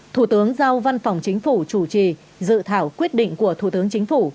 một mươi một thủ tướng giao văn phòng chính phủ chủ trì dự thảo quyết định của thủ tướng chính phủ